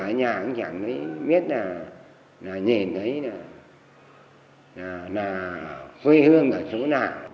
các anh chẳng biết là nhìn thấy là phê hương ở chỗ nào